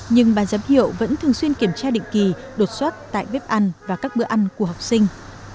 nhưng ban giám hiệu vẫn thường xuyên kiểm tra định kỳ đột xuất tại bếp ăn và các bữa ăn của học sinh